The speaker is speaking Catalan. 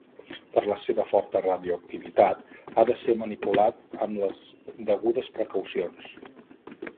Per la seva forta radioactivitat ha de ser manipulat amb les degudes precaucions.